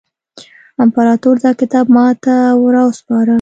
امپراطور دا کتاب ماته را وسپاره.